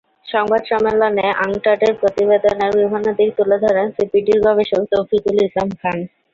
সংবাদ সম্মেলনে আঙ্কটাডের প্রতিবেদনের বিভিন্ন দিক তুলে ধরেন সিপিডির গবেষক তৌফিকুল ইসলাম খান।